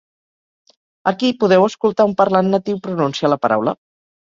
Aquí podeu escoltar un parlant natiu pronunciar la paraula.